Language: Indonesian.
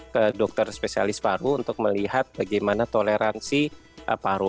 ke dokter spesialis paru untuk melihat bagaimana toleransi paru